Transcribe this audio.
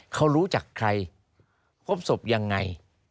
เขารู้จักใครพบศพยังไง